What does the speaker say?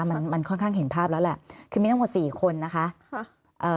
มันมันค่อนข้างเห็นภาพแล้วแหละคือมีทั้งหมดสี่คนนะคะค่ะเอ่อ